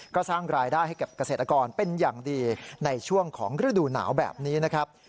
ก็สร้างรายได้ให้กับเกษตรกรเป็นอย่างดีในช่วงของฤดูหนาวแบบนี้นะครับ